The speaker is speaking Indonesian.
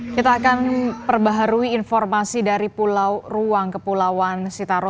kita akan perbaharui informasi dari pulau ruang kepulauan sitaro